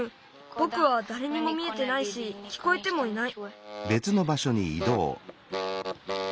ぼくはだれにも見えてないしきこえてもいない。